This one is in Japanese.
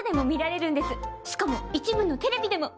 しかも一部のテレビでも。